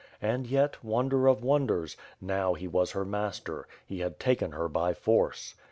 And yet, wonder of wonders, now, he was her master; he had taken her by force.